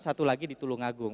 satu lagi di tulungagung